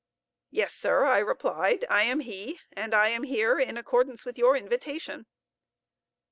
"Yes, sir," I replied, "I am he; and I am here in accordance with your invitation."